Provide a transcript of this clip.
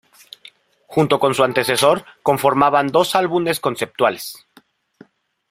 Junto con su antecesor conforman dos álbumes conceptuales.